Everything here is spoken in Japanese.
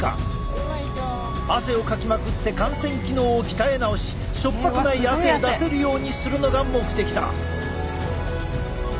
汗をかきまくって汗腺機能を鍛え直し塩っぱくない汗を出せるようにするのが目的だ！